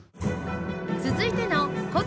続いての古都